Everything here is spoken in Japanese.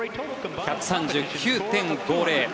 １３９．５０。